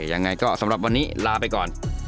ยังไงก็สำหรับวันนี้ลาไปก่อน